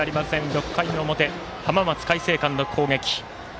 ６回の表、浜松開誠館の攻撃。